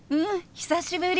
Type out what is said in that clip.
久しぶり！